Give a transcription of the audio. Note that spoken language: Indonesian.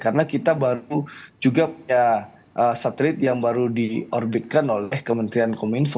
karena kita baru juga punya satelit yang baru di orbitkan oleh kementerian kominfo